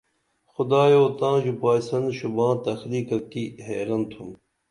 خدایو تاں ژُپائسن شوباں تخلیقہ کی حیرن تُھم